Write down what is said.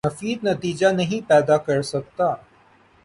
مفید نتیجہ نہیں پیدا کر سکتا